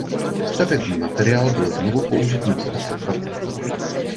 Stavební materiál byl znovu použit na stavbu kaple.